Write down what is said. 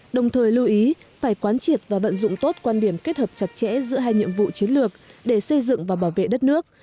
đồng thời lưu ý phải quán triệt và vận dụng tốt quan điểm kết hợp chặt chẽ giữa hai nhiệm vụ chiến lược để xây dựng và bảo vệ đất nước